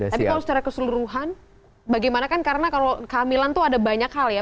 tapi kalau secara keseluruhan bagaimana kan karena kalau kehamilan tuh ada banyak hal ya